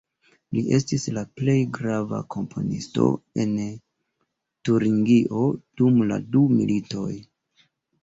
Li estis la plej grava komponisto en Turingio dum la du militoj.